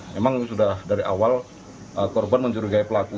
memang sudah dari awal korban mencurigai pelaku